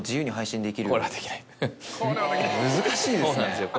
難しいですね。